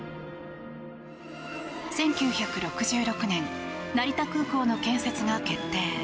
１９６６年成田空港の建設が決定。